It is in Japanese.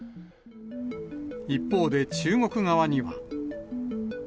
一方で中国側には。